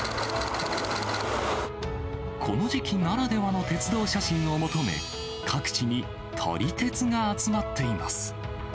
この時期ならではの鉄道写真を求め、各地に撮り鉄が集まっています。